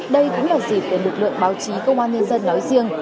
đây cũng là dịp để lực lượng báo chí công an nhân dân nói riêng